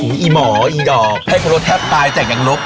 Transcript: อีหมออีดอกให้ครบแทบตายจากยังลบ